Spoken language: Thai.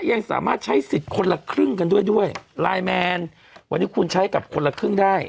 ยังสามารถใช้สิทธิ์คนละครึ่งกันด้วยด้วยไลน์แมนวันนี้คุณใช้กับคนละครึ่งได้